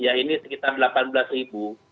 ya ini sekitar delapan belas ribu